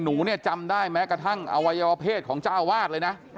หนูเนี่ยจำได้แม้กระทั่งอวัยวเพศของเจ้าวาดเลยนะ